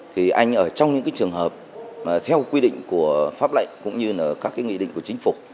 thì anh ở trong những trường hợp theo quy định của pháp lệnh cũng như các nghị định của chính phục